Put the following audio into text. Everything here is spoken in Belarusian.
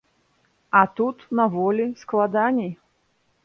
А тут, на волі, складаней.